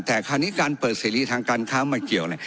แต่คราวนี้การเปิดเสรีทางการค้ามาเกี่ยวอะไร